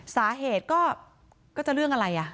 สาเหตุก็จะเรื่องอะไรอ่ะ